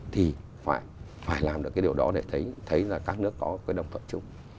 thì phải làm được cái điều đó để thấy thấy là các nước có cái đồng thuận chung